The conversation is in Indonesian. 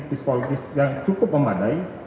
psikologis yang cukup memadai